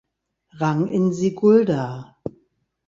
Rang in Sigulda.